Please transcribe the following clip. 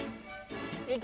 いけ！